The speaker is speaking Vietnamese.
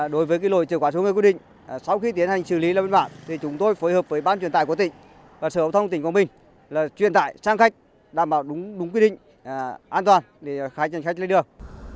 đối với cái lỗi chở quá số người quy định sau khi tiến hành xử lý lập biên bản thì chúng tôi phối hợp với ban truyền tải của tỉnh và xã hội hóa thông tỉnh quảng bình là truyền tải sang khách đảm bảo đúng quy định an toàn để khách lên đường